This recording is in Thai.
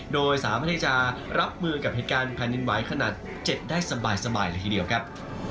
โดยสามารถที่จะรับมือกับเหตุการณ์แผ่นดินไหวขนาด๗ได้สบายเลยทีเดียวครับ